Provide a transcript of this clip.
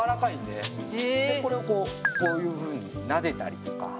でこれをこうこういうふうになでたりとか。